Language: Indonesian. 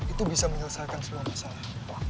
itu bisa menyelesaikan semua masalah